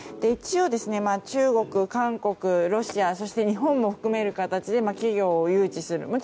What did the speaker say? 一応、中国、韓国、ロシアそして日本も含める形で企業を誘致する。